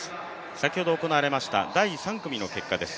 先ほど行われました第３組の結果です。